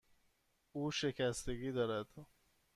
او شکستگی دارد.